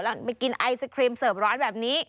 แล้วมากินไอศครีมเสิร์ฟร้อนแบบนี้